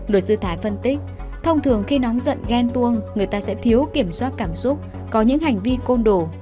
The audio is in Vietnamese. luật sư thái phân tích thông thường khi nóng giận ghen tuông người ta sẽ thiếu kiểm soát cảm xúc có những hành vi côn đổ